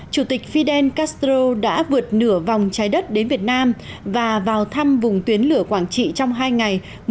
chủ tịch fidel castro đã vượt nửa vòng trái đất đến việt nam và vào thăm vùng tuyến lửa quảng trị trong hai ngày